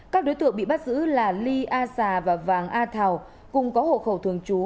các đối tượng bị bắt giữ là ly a già và vàng a thào cùng có hộ khẩu thường trú